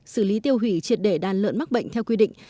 xử lý tiêu hủy triệt để đàn lợn mắc bệnh theo quy định